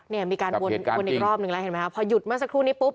เนี่ยมีการวนอีกรอบนึงแล้วเห็นไหมคะพอหยุดเมื่อสักครู่นี้ปุ๊บ